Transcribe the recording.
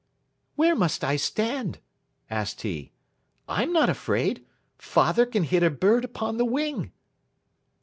"Where must I stand?" asked he. "I'm not afraid. Father can hit a bird upon the wing."